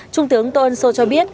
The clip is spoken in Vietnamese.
trung tướng tôn sô cho biết